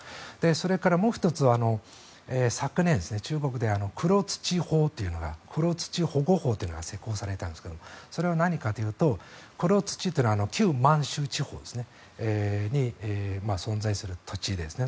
それからもう１つは昨年、中国で黒土法というのが黒土保護法というのが成立したんですがそれは何かというと黒土とは旧満州地方に存在する土地ですね。